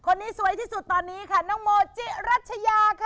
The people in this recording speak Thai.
คนนี้สวยที่สุดตอนนี้ค่ะน้องโมจิรัชยาค่ะ